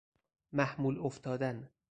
محمول افتادن